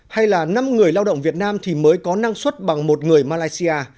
hay là năm người lao động việt nam thì mới có năng suất bằng một người malaysia